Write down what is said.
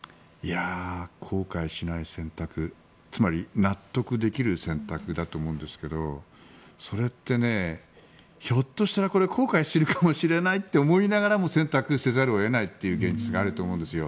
後悔しない選択つまり納得できる選択だと思うんですけどそれって、ひょっとしたら、これ後悔するかもしれないって思いながら選択せざるを得ないという現実があると思うんですよ。